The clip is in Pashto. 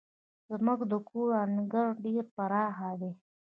زموږ د کور انګړ ډير پراخه دی.